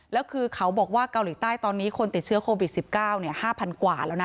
แล้วคือเขาบอกว่าเกาหลีใต้ตอนนี้คนติดเชื้อโควิด๑๙๕๐๐กว่าแล้วนะ